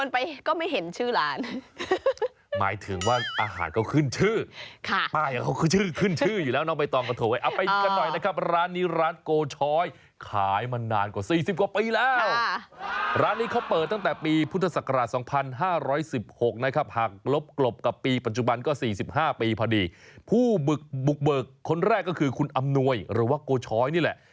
ผู้บึกเบือกคนแรกก็คือคุณอำนวยหรือว่าโกช้อยนี่แหละ